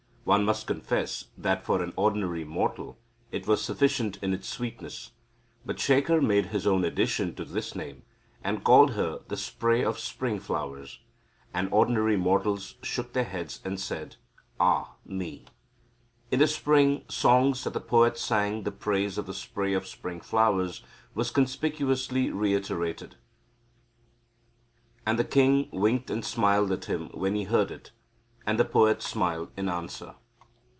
One must confess that for an ordinary mortal it was sufficient in its sweetness. But Shekhar made his own addition to this name, and called her the Spray of Spring Flowers. And ordinary mortals shook their heads and said, Ah, me! In the spring songs that the poet sang the praise of the spray of spring flowers was conspicuously reiterated; and the king winked and smiled at him when he heard it, and the poet smiled in answer.